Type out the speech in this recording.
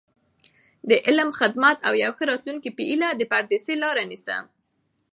د علم، خدمت او یو ښه راتلونکي په هیله، د پردیسۍ لاره نیسم.